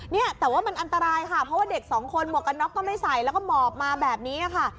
เนี่ยแต่ว่ามันอันตรายค่ะเพราะว่าเด็กสองคนหมวกกันน็อกก็ไม่ใส่แล้วก็หมอบมาแบบนี้ค่ะ